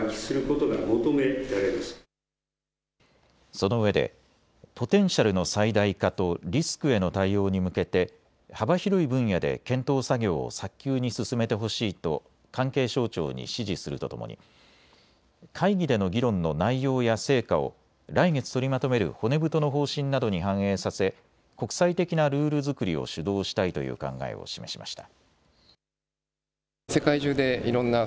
そのうえでポテンシャルの最大化とリスクへの対応に向けて幅広い分野で検討作業を早急に進めてほしいと関係省庁に指示するとともに会議での議論の内容や成果を来月取りまとめる骨太の方針などに反映させ国際的なルール作りを主導したいという考えを示しました。